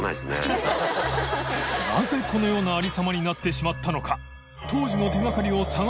このようなありさまになってしまったのか飯尾）